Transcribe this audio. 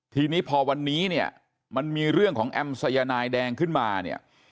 ทีนี้พอวันนี้เนี่ยมันมีเรื่องของแอมสายนายแดงขึ้นมาเนี่ย